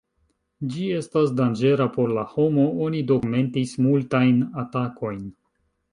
Ĝi estas danĝera por la homo, oni dokumentis multajn atakojn.